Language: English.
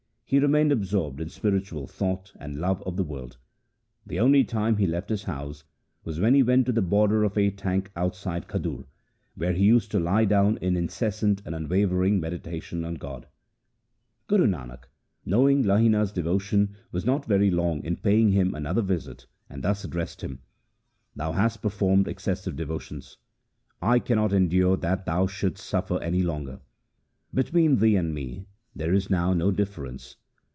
He remained absorbed in spiritual thought and love of the Word. The only time he left his house 1 That is, they will not suffer transmigration. 2 Suhi. LIFE OF GURU ANGAD 9 was when he went to the border of a tank outside Khadur, where he used to lie down in incessant and unwavering meditation on God. Guru Nanak, knowing Lahina's devotion, was not very long in paying him another visit, and thus addressed him :' Thou hast performed excessive devotions. I cannot endure that thou shouldst suffer any longer. Between thee and me there is now no difference.